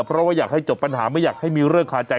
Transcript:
เพราะว่าอยากให้จบปัญหาไม่อยากให้มีเรื่องคาใจ